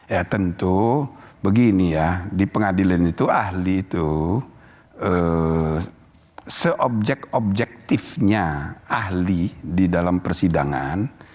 ya tentu begini ya di pengadilan itu ahli itu seobjek objektifnya ahli di dalam persidangan